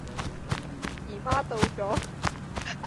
姨媽到左